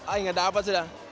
ay nggak dapat sudah